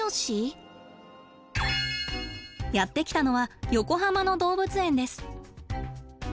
やって来たのは横浜の動物園です。